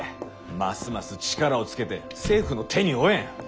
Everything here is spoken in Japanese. ますます力をつけて政府の手に負えん。